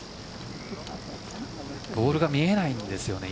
ボールが見えないんですよね